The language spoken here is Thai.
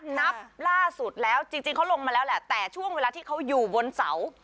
นับล่าสุดแล้วจริงเขาลงมาแล้วแหละแต่ช่วงเวลาที่เขาอยู่บนเสา